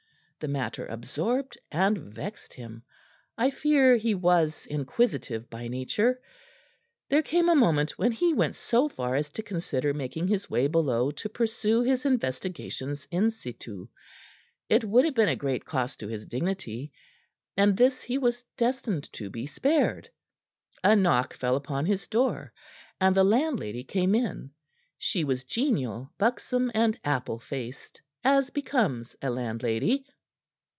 The matter absorbed and vexed him. I fear he was inquisitive by nature. There came a moment when he went so far as to consider making his way below to pursue his investigations in situ. It would have been at great cost to his dignity, and this he was destined to be spared. A knock fell upon his door, and the landlady came in. She was genial, buxom and apple faced, as becomes a landlady.